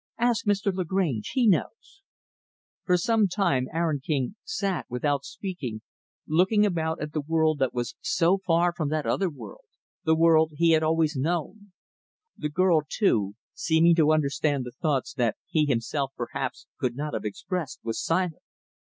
Ask Mr. Lagrange, he knows." For some time Aaron King sat, without speaking, looking about at the world that was so far from that other world the world he had always known. The girl, too, seeming to understand the thoughts that he himself, perhaps, could not have expressed, was silent.